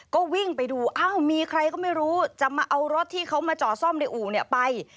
ก็วิ่งไปดูอ้าวมีใครก็ไม่รู้จะมาเอารถที่เขามาจอดซ่อมในอู่ไป